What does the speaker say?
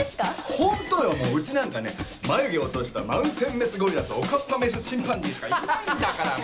ホントようちなんかね眉毛落としたマウンテンメスゴリラとおかっぱメスチンパンジーしかいないんだからもう。